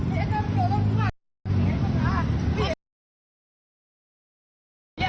ทำลายเขามีมีดช่วยด้วยค่ะ